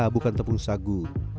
bukan tepung sagu